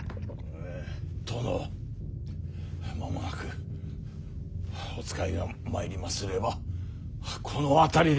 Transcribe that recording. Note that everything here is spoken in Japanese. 殿間もなくお使いが参りますればこの辺りで。